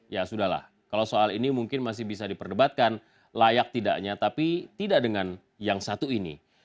ya sudah lah kalau soal ini mungkin masih bisa diperdebatkan layak tidaknya tapi tidak dengan yang satu ini